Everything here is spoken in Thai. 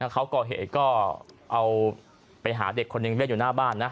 เขาก่อเหตุก็เอาไปหาเด็กคนหนึ่งเล่นอยู่หน้าบ้านนะ